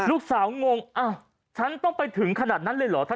งงอ้าวฉันต้องไปถึงขนาดนั้นเลยเหรอ